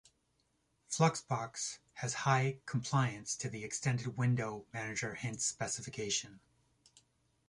Fluxbox has high compliance to the Extended Window Manager Hints specification.